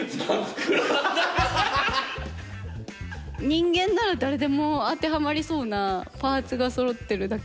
人間なら誰でも当てはまりそうなパーツが揃ってるだけっていう。